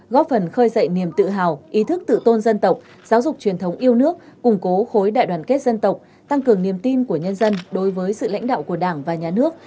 góp phần khơi dậy niềm tự hào ý thức tự tôn dân tộc giáo dục truyền thống yêu nước củng cố khối đại đoàn kết dân tộc tăng cường niềm tin của nhân dân đối với sự lãnh đạo của đảng và nhà nước